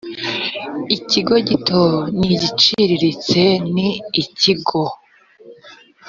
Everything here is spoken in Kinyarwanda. ikigo gito n igiciriritse ni ikigo